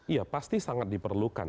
iya pasti sangat diperlukan